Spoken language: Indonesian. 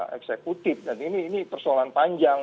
eksekutif dan ini persoalan panjang